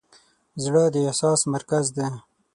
زړه د احساس مرکز دی.